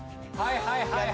はいはい。